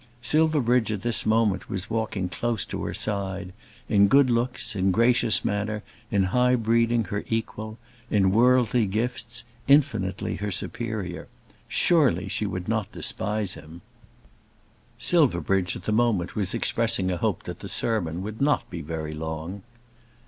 Silverbridge at this moment was walking close to her side, in good looks, in gracious manner, in high breeding her equal, in worldly gifts infinitely her superior. Surely she would not despise him! Silverbridge at the moment was expressing a hope that the sermon would not be very long.